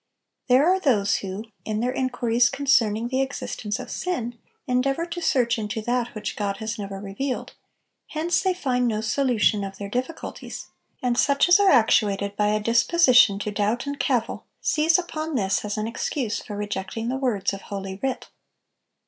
There are those who, in their inquiries concerning the existence of sin, endeavor to search into that which God has never revealed; hence they find no solution of their difficulties; and such as are actuated by a disposition to doubt and cavil, seize upon this as an excuse for rejecting the words of Holy Writ.